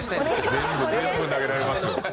全部投げられますよ。